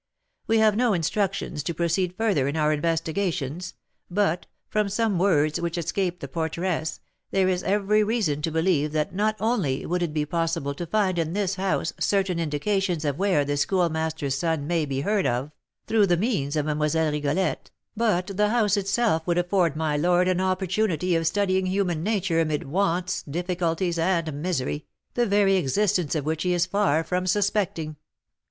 We have no instructions to proceed further in our investigations, but, from some words which escaped the porteress, there is every reason to believe that not only would it be possible to find in this house certain indications of where the Schoolmaster's son may be heard of, through the means of Mlle. Rigolette, but the house itself would afford my lord an opportunity of studying human nature amid wants, difficulties, and misery, the very existence of which he is far from suspecting."